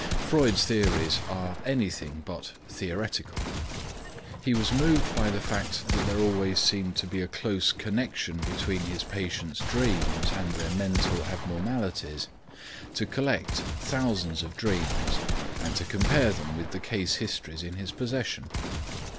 Freud's theories are anything but theoretical. He was moved by the fact that there always seemed to be a close connection between his patients' dreams and their mental abnormalities, to collect thousands of dreams and to compare them with the case histories in his possession.